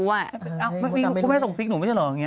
พี่มีก็ไม่ส่งสิทธิ์หนูไม่ใช่เหรอ